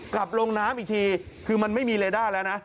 กลับลงน้ำอีกทีคือมันไม่มีเลด้าแล้วนะ